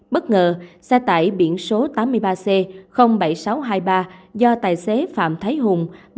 bất ngờ xe tải biển số tám mươi ba c bảy nghìn sáu trăm hai mươi ba do tài xế phạm thái hùng